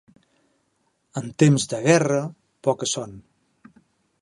En temps de guerra, poca son.